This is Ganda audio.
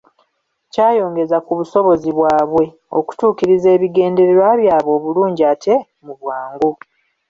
Kya yongeza ku busobozi bwabwe okutuukiriza ebigendererwa byabwe obulungi ate mu bwangu.